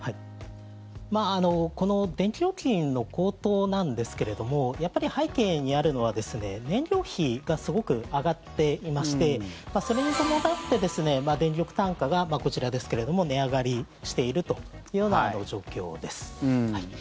この電気料金の高騰なんですけれどもやっぱり背景にあるのは燃料費がすごく上がっていましてそれに伴って電力単価がこちらですけれども値上がりしているというような状況です。